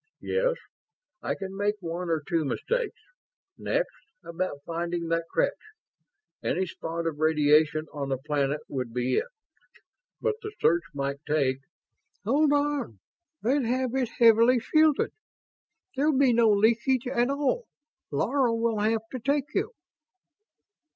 "Yes. I can make one or two mistakes. Next, about finding that creche. Any spot of radiation on the planet would be it, but the search might take ..." "Hold on. They'd have it heavily shielded there'll be no leakage at all. Laro will have to take you."